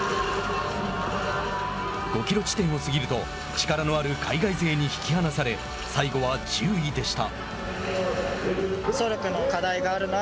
５キロ地点を過ぎると力のある海外勢に引き離され最後は１０位でした。